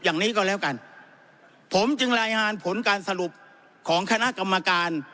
อย่างนี้ก็แล้วกันผมจึงรายงานผลการสรุปของคณะกรรมการ